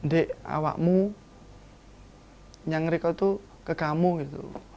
di awakmu nyang riko itu kekamu gitu